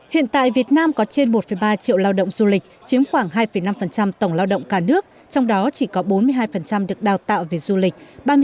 hiện tại việt nam có trên một ba triệu lao động du lịch chiếm khoảng hai năm tổng lao động cả nước trong đó chỉ có bốn mươi hai được đào tạo về du lịch